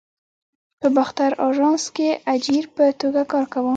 په باختر آژانس کې اجیر په توګه کار کاوه.